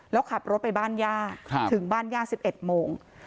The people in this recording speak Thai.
แล้วขับรถไปบ้านย่าถึงบ้านย่า๑๑โมง